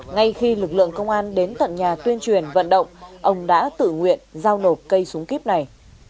ngay khi lực lượng công an đến tận nhà tuyên truyền vận động ông đã tự nguyện giao nộp cây súng kíp này